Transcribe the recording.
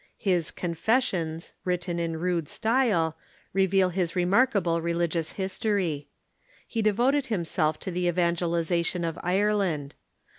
His Confessions, written in rude style, reveal his remarkable religious history. He de voted himself to the evangelization of Ireland.